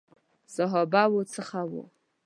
صحابه وو څخه وو.